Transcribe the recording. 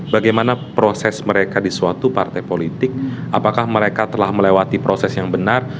bagaimana proses mereka di suatu partai politik apakah mereka telah melewati proses yang benar